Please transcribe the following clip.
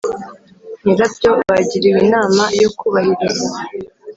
nyirabyo bagiriwe inama yo kubahiriza